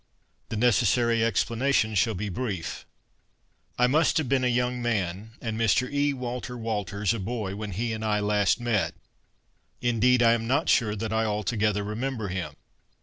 The necessary explanation shall be brief. I must have been a young man, and Mr. E. Walter Walters a boy, when he and I last met ; indeed I am not sure that I altogether remember him.